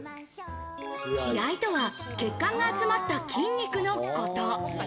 血合いとは血管が集まった筋肉のこと。